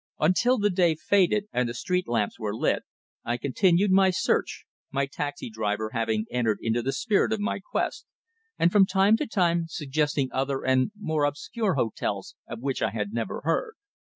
Until the day faded, and the street lamps were lit, I continued my search, my taxi driver having entered into the spirit of my quest, and from time to time suggesting other and more obscure hotels of which I had never heard.